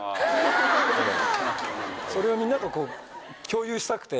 それをみんなと共有したくて。